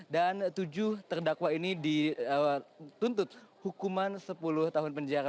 dan tujuh terdakwa ini dituntut hukuman sepuluh tahun penjara